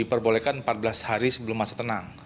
diperbolehkan empat belas hari sebelum masa tenang